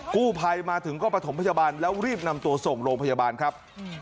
กู้ภัยมาถึงก็ประถมพยาบาลแล้วรีบนำตัวส่งโรงพยาบาลครับ